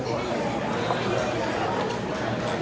จ๋ามาอีกแล้วครับ